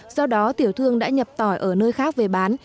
do đó tiểu thương đã nhập tỏi ở nơi khác về bán